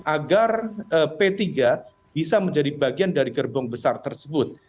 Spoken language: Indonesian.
agar p tiga bisa menjadi bagian dari gerbong besar tersebut